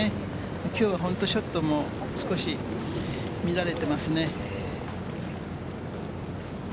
きょうは本当にショットも少し乱れてますね。